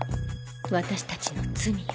私たちの罪よ。